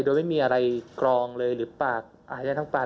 โดยไม่มีอะไรกรองเลยหรือปากหายได้ทั้งปาก